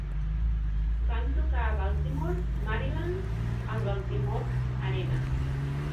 Van tocar a Baltimore, Maryland, al Baltimore Arena.